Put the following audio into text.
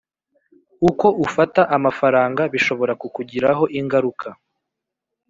uko ufata amafaranga bishobora kukugiraho ingaruka.